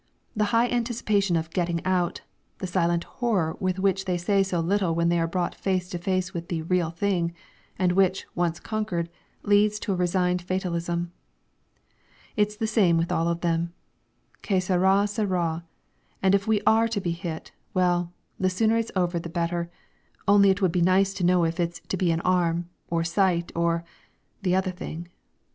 The high anticipation of "getting out," the silent horror of which they say so little when they are brought face to face with the "Real Thing," and which, once conquered, leads to a resigned fatalism. It's the same with all of them. "Che sarà, sarà, and if we are to be hit, well, the sooner it's over the better, only it would be nice to know if it's to be an arm, or sight or the other thing.